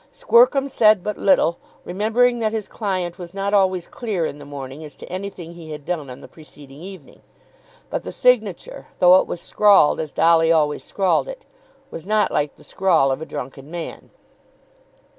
Squercum said but little, remembering that his client was not always clear in the morning as to anything he had done on the preceding evening. But the signature, though it was scrawled as Dolly always scrawled it, was not like the scrawl of a drunken man.